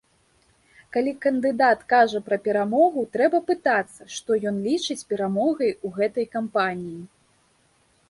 Калі кандыдат кажа пра перамогу, трэба пытацца, што ён лічыць перамогай у гэтай кампаніі.